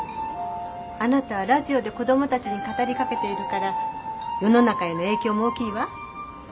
あなたはラジオで子どもたちに語りかけているから世の中への影響も大きいわ。